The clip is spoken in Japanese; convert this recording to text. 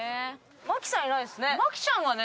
麻貴さんいないですね。